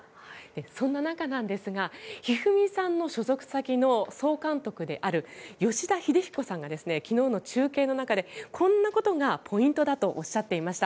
そんな中、一二三さんの所属先の総監督である吉田秀彦さんが昨日の中継の中でこんなことがポイントだとおっしゃっていました。